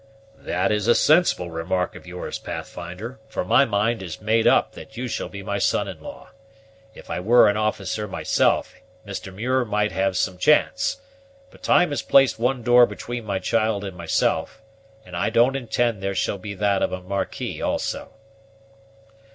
"That is a sensible remark of yours, Pathfinder; for my mind is made up that you shall be my son in law. If I were an officer myself, Mr. Muir might have some chance; but time has placed one door between my child and myself, and I don't intend there shall be that of a marquee also."